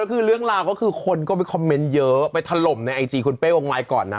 คือเรื่องราวก็คือคนก็ไปคอมเมนต์เยอะไปถล่มในไอจีคุณเป้วงไม้ก่อนนะ